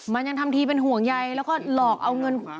มันยังทำทีเป็นห่วงใยแล้วก็หลอกเอาเงิน